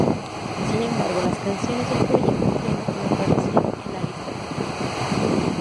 Sin embargo las canciones del proyecto pleno no aparecieron en la lista final.